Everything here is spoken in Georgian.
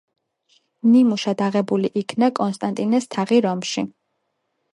ნიმუშად აღებულ იქნა კონსტანტინეს თაღი რომში.